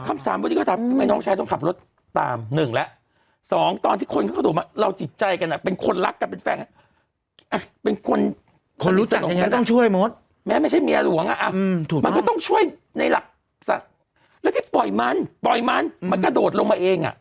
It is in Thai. แม้ไม่ใช่เมียหลวงอะมันก็ต้องช่วยในหลักสัตว์แล้วที่ปล่อยมันปล่อยมันมันกระโดดลงมาเองอะ